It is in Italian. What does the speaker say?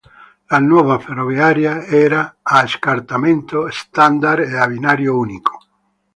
La nuova ferrovia era a scartamento standard ed a binario unico.